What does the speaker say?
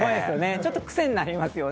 ちょっと癖になりますよね。